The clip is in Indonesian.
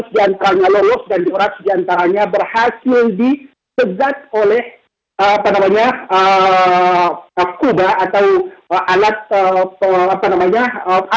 empat ratus diantaranya lolos dan dua ratus diantaranya berhasil dipecat oleh apa namanya kuba atau alat apa namanya